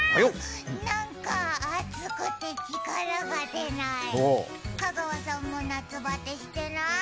何か暑くて力が出ない香川さんも夏バテしてない？